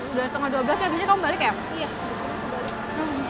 udah setengah dua belas habisnya kamu balik ya iya besoknya aku balik